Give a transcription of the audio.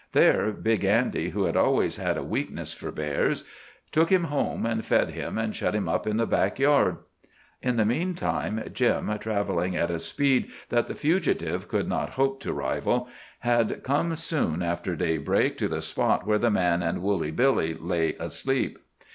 There Big Andy, who had always had a weakness for bears, took him home and fed him and shut him up in the back yard. In the meantime Jim, travelling at a speed that the fugitive could not hope to rival, had come soon after daybreak to the spot where the man and Woolly Billy lay asleep.